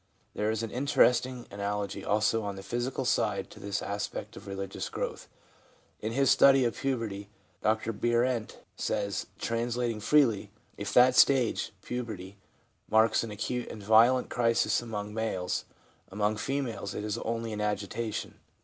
There is an interesting analogy also on the physical side to this aspect of religious growth. In his study of puberty, Dr Bierent says (translating freely), ' If that stage (puberty) marks an acute and violent crisis among males, among females it is only an agitation.